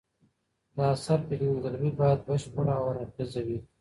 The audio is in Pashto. د اثر پېژندګلوي باید بشپړه او هر اړخیزه وي.